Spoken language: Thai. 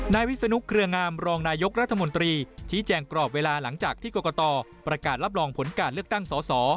วิศนุเครืองามรองนายกรัฐมนตรีชี้แจงกรอบเวลาหลังจากที่กรกตประกาศรับรองผลการเลือกตั้งสส